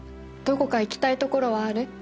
どこか行きたいところはある？